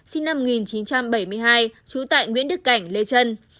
sinh năm một nghìn chín trăm bảy mươi hai trú tại nguyễn đức cảnh lê trân